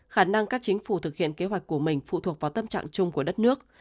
khả năng các chính phủ thực hiện kế hoạch của mình phụ thuộc vào tâm trạng chung của đất nước